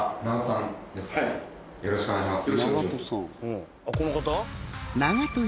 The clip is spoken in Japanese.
よろしくお願いします。